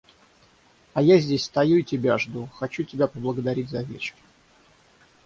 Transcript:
А я здесь стою и тебя жду, хочу тебя поблагодарить за вечер.